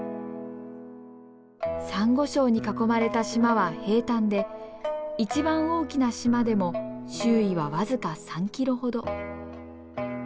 サンゴ礁に囲まれた島は平たんで一番大きな島でも周囲は僅か３キロほど。